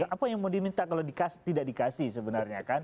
apa yang mau diminta kalau tidak dikasih sebenarnya kan